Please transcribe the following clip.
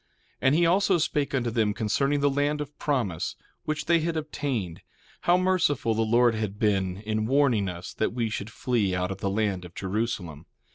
1:3 And he also spake unto them concerning the land of promise, which they had obtained—how merciful the Lord had been in warning us that we should flee out of the land of Jerusalem.